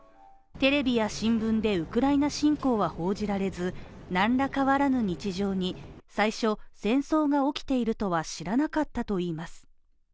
テレビや新聞でウクライナ侵攻は報じられず、何ら変わらぬ日常に、最初戦争が起きているとは知らなかったといいます。